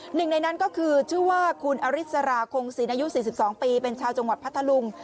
หนึ่งในนั้นก็คือชื่อว่าคุณอริสราคงศีลอายุ๔๒ปีเป็นชาวจังหวัดพัทธลุง